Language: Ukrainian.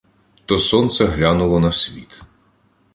То сонце глянуло на світ.